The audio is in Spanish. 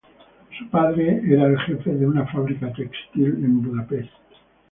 Su padre era el jefe de una fábrica textil en Budapest.